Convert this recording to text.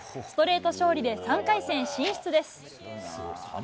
ストレート勝利で３回戦進出です。